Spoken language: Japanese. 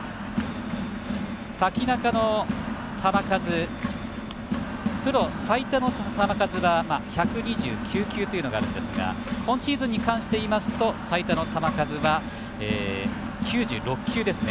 瀧中の球数、プロ最多の球数は１２９球というのがあるんですが今シーズンでいいますと最多の球数は、９６球ですね。